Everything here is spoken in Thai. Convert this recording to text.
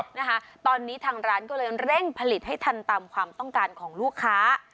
นะคะตอนนี้ทางร้านก็เลยเร่งผลิตให้ทันตามความต้องการของลูกค้า